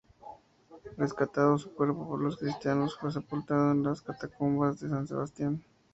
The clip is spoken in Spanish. Rescatado su cuerpo por los cristianos fue sepultado en las catacumbas de San Sebastián.